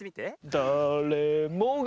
「だれもが」